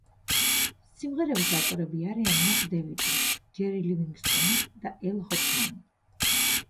სიმღერების ავტორები არიან მაკ დევიდი, ჯერი ლივინგსტონი და ელ ჰოფმანი.